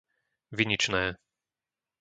Viničné